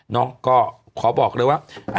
น้องก็ขอบอกเลยว่า